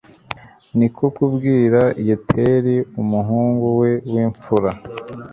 ni ko kubwira yeteri, umuhungu we w'imfura